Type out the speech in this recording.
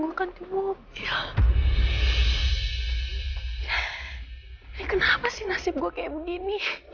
gue harus minta pertolongan